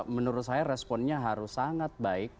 menurut saya responnya harus sangat baik